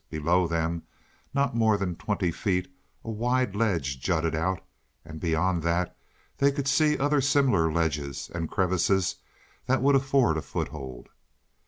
Below them, not more than twenty feet, a wide ledge jutted out, and beyond that they could see other similar ledges and crevices that would afford a foothold.